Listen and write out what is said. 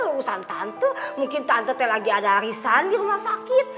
lurusan tante mungkin tante teh lagi ada harisan di rumah sakit